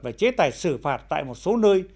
và chế tài xử phạt tại một số nơi